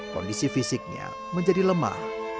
kondisi fisiknya menjadi lemah